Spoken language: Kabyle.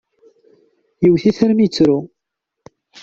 Yewwet-it armi i yettru.